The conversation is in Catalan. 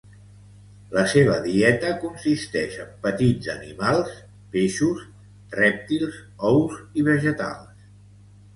La seva dieta consisteix en petits animals, peixos, rèptils, ous i vegetals.